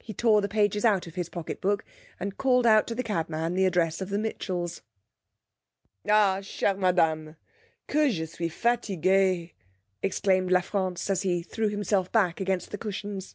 He tore the pages out of his pocket book, and called out to the cabman the address of the Mitchells. 'Ah, chère madame, que je suis fatigué!' exclaimed La France, as he threw himself back against the cushions.